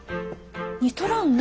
似とらんね。